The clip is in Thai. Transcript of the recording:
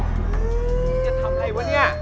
พี่จะทำไรวะเนี่ย